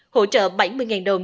hỗ trợ bảy mươi đồng